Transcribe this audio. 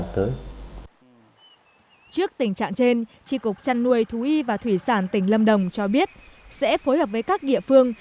trước tình trạng trên tri cục trăn nuôi thú y và thủy sản tỉnh lâm đồng cho biết sẽ phối hợp với các địa phương